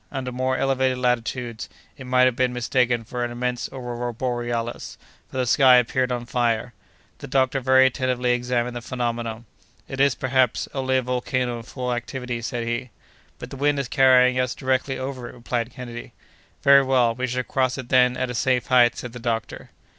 Under more elevated latitudes, it might have been mistaken for an immense aurora borealis, for the sky appeared on fire. The doctor very attentively examined the phenomenon. "It is, perhaps, only a volcano in full activity," said he. "But the wind is carrying us directly over it," replied Kennedy. "Very well, we shall cross it then at a safe height!" said the doctor.